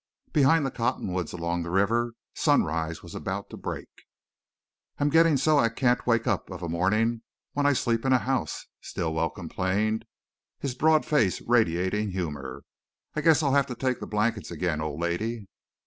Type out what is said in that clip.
Behind the cottonwoods along the river, sunrise was about to break. "I'm gittin' so I can't wake up of a morning when I sleep in a house," Stilwell complained, his broad face radiating humor. "I guess I'll have to take the blankets ag'in, old lady."